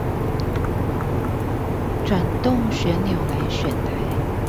轉動旋鈕來選台